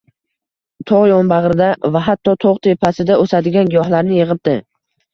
Tog‘ yonbag‘rida va hatto tog‘ tepasida o‘sadigan giyohlarni yig‘ibdi